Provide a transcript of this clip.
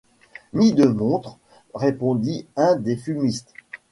Ni de montre, répondit un des « fumistes ».